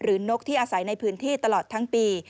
นกที่อาศัยในพื้นที่ตลอดทั้งปี